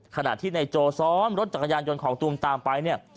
ขณะที่นายโจซ้อมรถจักรยานยนต์ของตูมตามไปเนี่ย